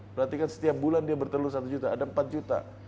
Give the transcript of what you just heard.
berarti kan setiap bulan dia bertelur satu juta ada empat juta